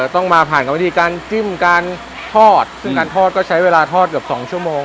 ต้องมาผ่านกับวิธีการจิ้มการทอดซึ่งการทอดก็ใช้เวลาทอดเกือบสองชั่วโมง